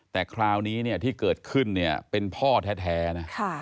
แต่คราวนี้เนี่ยที่เกิดขึ้นเนี่ยเป็นพ่อแท้นะ